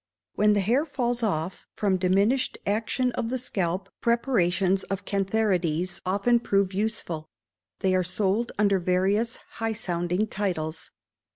When the hair falls off, from diminished action of the scalp, preparations of cantharides often prove useful; they are sold under various high sounding titles.